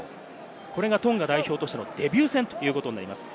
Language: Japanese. これがトンガ代表としてのデビュー戦ということになります。